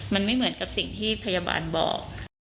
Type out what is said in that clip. มันไม่เหมือนกับสิ่งที่พยาบาลบอก